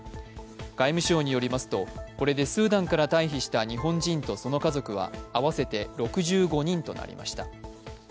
外務省によりますとこれでスーダンから退避した日本人とその家族は合わせて６５人となりました。